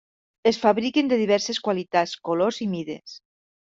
Es fabriquen de diverses qualitats, colors i mides.